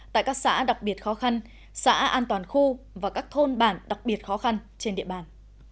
tại các xã đặc biệt khó khăn xã an toàn khu và các thôn bản đặc biệt khó khăn trên địa bàn